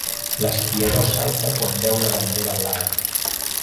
L'esquiador salta quan veu la bandera blava.